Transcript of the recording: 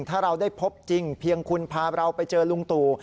ถ้าเราได้พบจริงเพียงคุณพาเราไปเจอลุงตู่